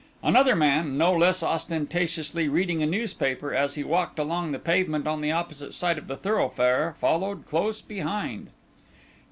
Another man, no less ostentatiously reading a newspaper, as he walked along the pavement on the opposite side of the thoroughfare, followed close behind.